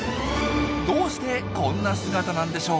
どうしてこんな姿なんでしょう？